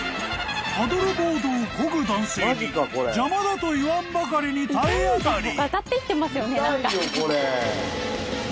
［パドルボードをこぐ男性に邪魔だと言わんばかりに体当たり］